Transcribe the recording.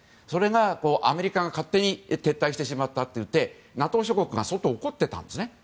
それがアメリカが勝手に撤退してしまったといってＮＡＴＯ諸国が怒っていたんですね。